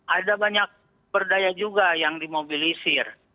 ada banyak berdaya juga yang dimobilisir